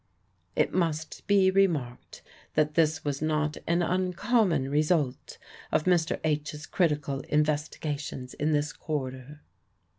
It must be remarked that this was not an uncommon result of Mr. H.'s critical investigations in this quarter.